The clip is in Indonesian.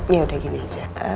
ya udah gini aja